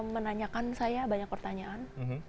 menanyakan saya banyak pertanyaan